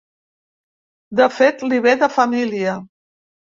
De fet, li ve de família.